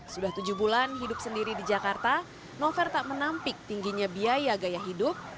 sudah tujuh bulan hidup sendiri di jakarta novel tak menampik tingginya biaya gaya hidup